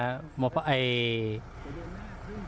เต็มหมู่บ้านเลยไอ้